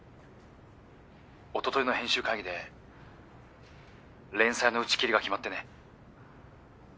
おとといの編集会議で連載の打ち切りが決まってね。